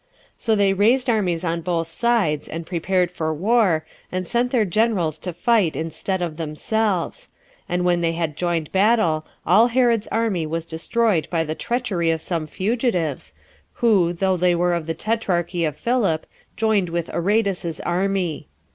So they raised armies on both sides, and prepared for war, and sent their generals to fight instead of themselves; and when they had joined battle, all Herod's army was destroyed by the treachery of some fugitives, who, though they were of the tetrarchy of Philip, joined with Aretas's army..